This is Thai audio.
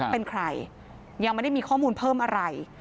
เป็นใครยังไม่ได้มีข้อมูลเพิ่มอะไร